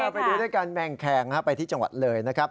ไปดูด้วยกันแมงแคงไปที่จังหวัดเลยนะครับ